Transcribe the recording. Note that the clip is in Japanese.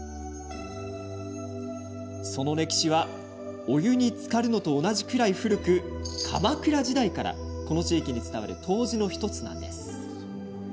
その歴史はお湯につかるのと同じくらい古く鎌倉時代からこの地域に伝わる湯治の１つなんです。